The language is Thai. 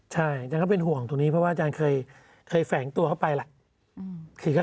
ใช่อาจารย์ก็เป็นห่วงตรงนี้เพราะว่าอาจารย์เคยแฝงตัวเข้าไปล่ะ